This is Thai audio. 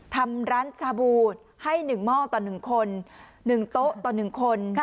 ทำร้านชาบูให้หนึ่งเมาส์ต่อหนึ่งคนหนึ่งโต๊ะต่อหนึ่งคน